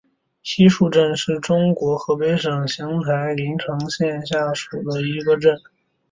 西竖镇是中国河北省邢台市临城县下辖的一个镇。